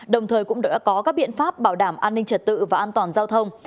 đồng thời cũng đã có các biện pháp bảo đảm an ninh trật tự và an toàn giao thông